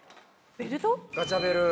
ガチャベル？